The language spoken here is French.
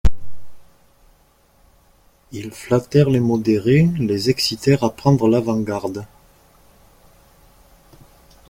Ils flattèrent les modérés, les excitèrent à prendre l'avant-garde.